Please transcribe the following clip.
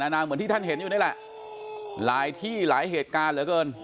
นางเหมือนที่ท่านเห็นอยู่นี่แหละหลายที่หลายเหตุการณ์เหลือเกิน